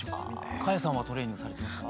花耶さんはトレーニングされてますか？